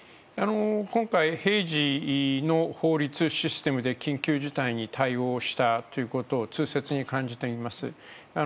今回、平時の法律システムで緊急事態に対応したということを痛切に感じている。